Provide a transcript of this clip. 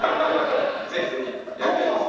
ぜひぜひやりたいです